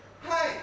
はい。